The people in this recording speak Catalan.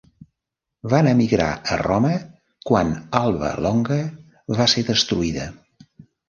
Van emigrar a Roma quan Alba Longa va ser destruïda.